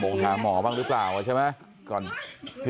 หาหมอบ้างหรือเปล่าใช่ไหม